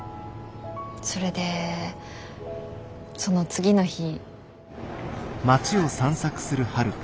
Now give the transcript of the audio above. それでその次の日。